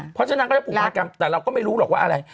เพราะฉะนั้นก็จะผูกพันกันแต่เราก็ไม่รู้หรอกว่าอะไร